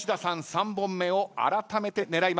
３本目をあらためて狙います。